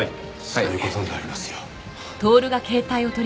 そういう事になりますよ。